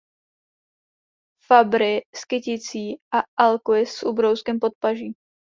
Fabry s kyticí a Alquist s ubrouskem pod paží.